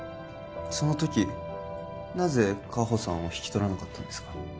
そのときなぜ果歩さんを引き取らなかったんですか？